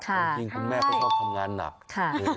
จริงคุณแม่ก็ชอบทำงานหนัก